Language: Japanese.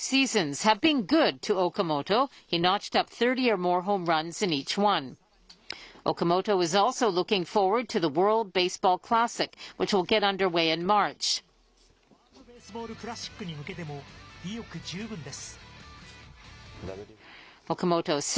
３月に開幕するＷＢＣ・ワールドベースボールクラシックに向けても意欲十分です。